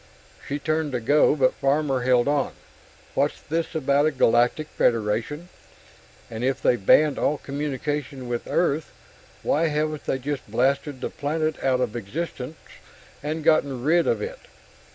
She turned to go, but Farmer held on. "What's this about a Galactic Federation? And if they've banned all communication with Earth, why haven't they just blasted the planet out of existence and gotten rid of it?